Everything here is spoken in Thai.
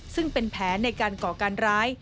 ซึ่งเป็นแผนในการก่อการร้าย